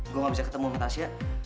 gua gak bisa ketemu sama tasya